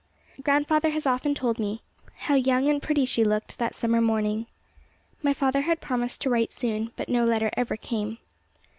Grandfather has often told me how young and pretty she looked that summer morning. My father had promised to write soon, but no letter ever came.